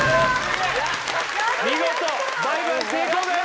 見事倍買成功です